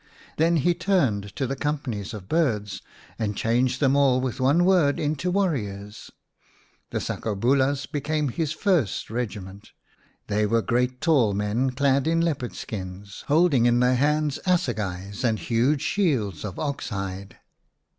Then he turned to the companies of birds and changed them all with one word into warriors. The sakobulas became his first regiment. They were great tall men clad in leopard skins, holding in their hands assegais l and huge shields of ox hide.